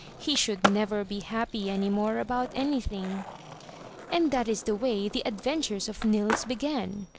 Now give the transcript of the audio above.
He should never be happy any more about anything. And that is the way the adventures of Nils began.